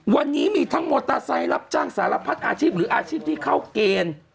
วันนี้มีทั้งหมดทราบจ้างสารพัฒน์อาชีพหรืออาชีพที่เข้าเกณฑ์